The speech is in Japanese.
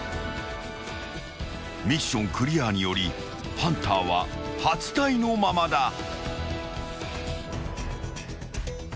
［ミッションクリアによりハンターは８体のままだ］